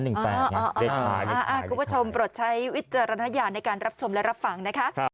คุณผู้ชมโปรดใช้วิจารณญาณในการรับชมและรับฟังนะคะ